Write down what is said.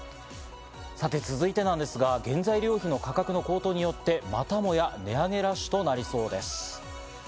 さて続いてなんですが、原材料費の価格の高騰によってまたもや値上げラッシュとなりそうです。